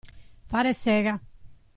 Fare sega.